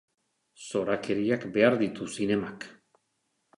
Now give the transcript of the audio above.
Zorakeriak behar ditu zinemak.